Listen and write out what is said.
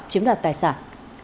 chiếm đạt tài sản